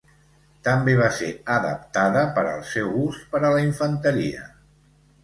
També va ser adaptada per al seu ús per a la infanteria.